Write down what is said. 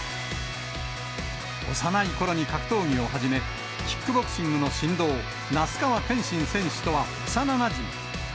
幼いころに格闘技を始め、キックボクシングの神童、那須川天心選手とは幼なじみ。